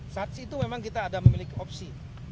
saat itu memang kita ada memiliki opsi